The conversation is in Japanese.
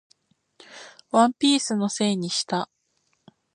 ワンピースのせいにした